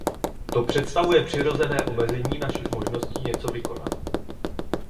To představuje přirozené omezení našich možností něco vykonat.